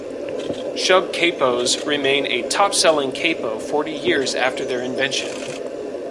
Shubb capos remain a "top-selling" capo forty years after their invention.